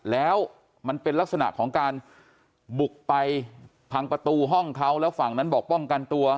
แล้วมันเป็นลักษณะของการบุกไปพังประตูห้องเขาแล้วฝั่งนั้นบอกป้องกันตัว